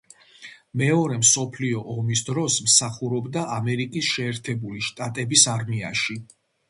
მეორე მსოფლიო ომის დროს მსახურობდა ამერიკის შეერთებული შტატების არმიაში.